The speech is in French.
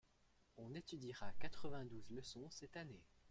On étudiera quatre-vingt-douze leçons cette année.